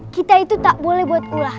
kita itu tak boleh buat ulah